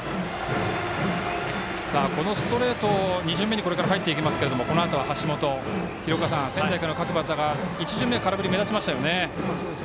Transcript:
このストレート、２巡目にこれから入っていきますがこのあとは橋本、廣岡さん仙台育英の各バッターは１巡目、空振り目立ちましたよね。